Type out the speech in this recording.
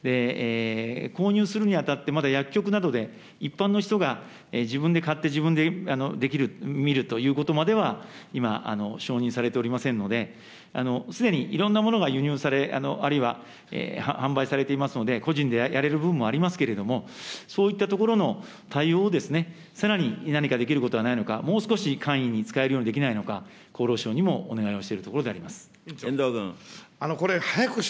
購入するにあたって、まだ薬局などで一般の人が自分で買って、自分でできる、診るということまでは今、承認されておりませんので、すでに、いろんなものが輸入され、あるいは販売されていますので、個人でやれる分もありますけれども、そういったところの対応をさらに何かできることはないのか、もう少し簡易に使えるようにできないのか、厚労省にもお願いをしているところであります。